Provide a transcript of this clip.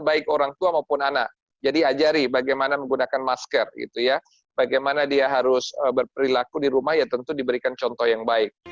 baik orang tua maupun anak jadi ajari bagaimana menggunakan masker bagaimana dia harus berperilaku di rumah ya tentu diberikan contoh yang baik